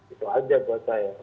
itu aja buat saya